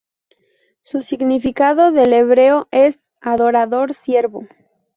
Su significado del hebreo es "adorador, siervo".